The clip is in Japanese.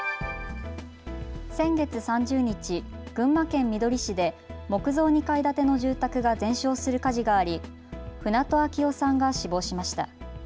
先月３０日、群馬県みどり市で木造２階建ての住宅が全焼する火事があり船戸秋雄さんが死亡しました。